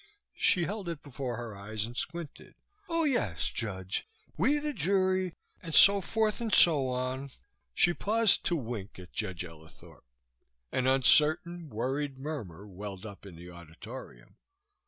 She held it before her eyes and squinted. "Oh, yes. Judge, we the jury, and so forth and so on " She paused to wink at Judge Ellithorp. An uncertain worried murmur welled up in the auditorium.